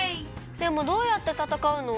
でもどうやってたたかうの！？